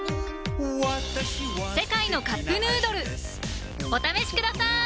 「世界のカップヌードル」お試しください！